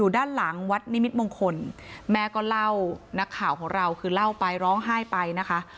ด้านหลังวัดนิมิตมงคลแม่ก็เล่านักข่าวของเราคือเล่าไปร้องไห้ไปนะคะ